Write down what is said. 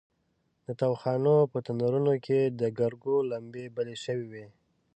د تاوخانو په تنورونو کې د ګرګو لمبې بلې شوې وې.